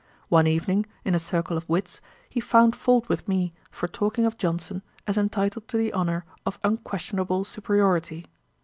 One evening, in a circle of wits, he found fault with me for talking of Johnson as entitled to the honour of unquestionable superiority.